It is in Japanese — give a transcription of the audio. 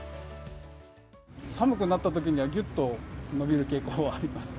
寒くなったときにはぎゅっと伸びる傾向はありますね。